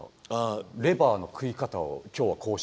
レバーの食い方を今日はこうしてみようとか。